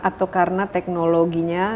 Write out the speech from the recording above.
atau karena teknologinya